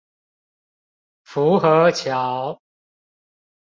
福和橋